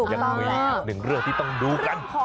ยังมี๑เรื่องที่ต้องดูกัน